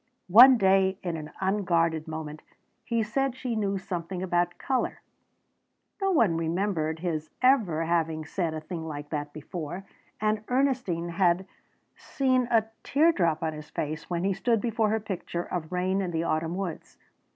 One day in an unguarded moment he said she knew something about colour. No one remembered his ever having said a thing like that before. And Ernestine had seen a teardrop on his face when he stood before her picture of rain in the autumn woods.